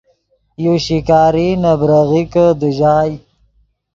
یو شکاری نے بریغیکے دیژائے